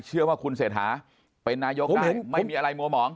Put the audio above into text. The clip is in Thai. เชื่อว่าคุณเศรษฐาเป็นนายกได้ไม่มีอะไรมัวหมอง